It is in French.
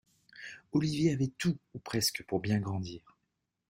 Olivier avait tout, ou presque, pour bien grandir.